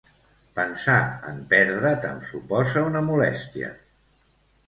Pensar en perdre't em suposa una molèstia.